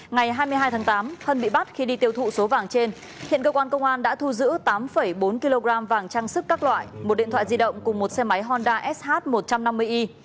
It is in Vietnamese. ngày hai mươi hai tháng tám hân bị bắt khi đi tiêu thụ số vàng trên hiện cơ quan công an đã thu giữ tám bốn kg vàng trang sức các loại một điện thoại di động cùng một xe máy honda sh một trăm năm mươi y